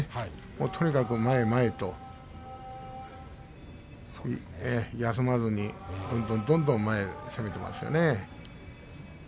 とにかく前へ前へと休まずにどんどん前へ攻めていますよね。